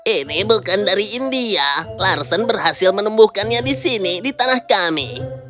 ini bukan dari india larsen berhasil menumbuhkannya di sini di tanah kami